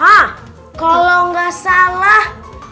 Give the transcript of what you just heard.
hah kalau gak salah